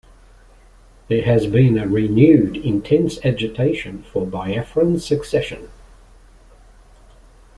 There has been a renewed, intense agitation for Biafran secession.